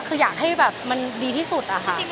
คืออยากให้แบบมันดีที่สุดอะ